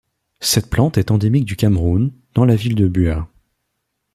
Cette plante est endémique du Cameroun, dans la ville de Buéa.